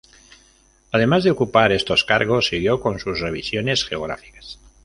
Además de ocupar estos cargos siguió con sus revisiones geográficas.